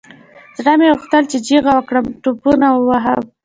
زړه مې غوښتل چې چيغه وكړم ټوپونه ووهم.